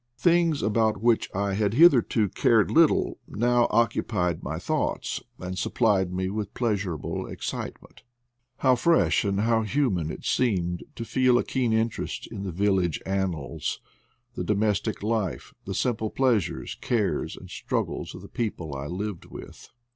Things about which I had hitherto cared little now occupied my thoughts and supplied me with pleasurable excitement How fresh and how human it seemed to feel a keen interest in the village annals, the domestic life, the simple pleasures, cares, and struggles of the people I lived with